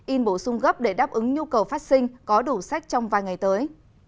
in bổ sung gấp để đáp ứng nhu cầu phát sinh có đủ sách trong vài ngày tới